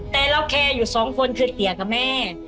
แต่เราแคร์อยู่สองคนคือเตี๋ยกับแม่